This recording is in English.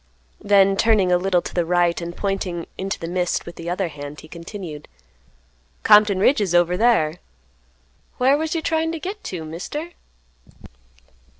Then turning a little to the right and pointing into the mist with the other hand, he continued, "Compton Ridge is over thar. Whar was you tryin' to git to, Mister?"